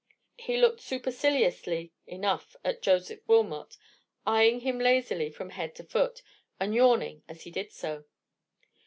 He looked superciliously enough at Joseph Wilmot, eyeing him lazily from head to foot, and yawning as he did so.